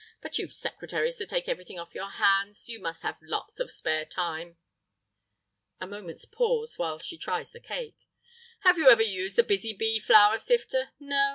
But you've secretaries to take everything off your hands; you must have lots of spare time." (A moment's pause while she tries the cake.) "Have you ever used the Busy Bee Flour Sifter? No?